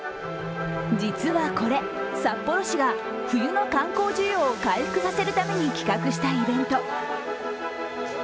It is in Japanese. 実はこれ、札幌市が冬の観光需要を回復させるために企画したイベント。